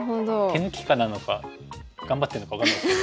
手抜きかなのか頑張ってるのか分かんないですけど。